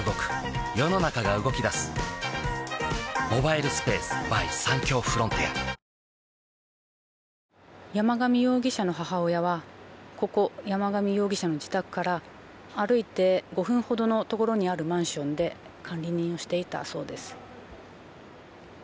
あー山上容疑者の母親はここ、山上容疑者の自宅から歩いて５分ほどのところにあるマンションで管理人をしていたそうです。